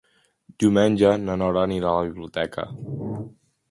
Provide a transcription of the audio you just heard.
Diumenge na Nora anirà a la biblioteca.